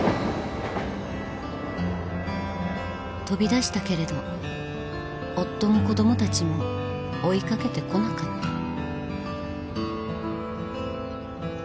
飛び出したけれど夫も子供たちも追いかけてこなかった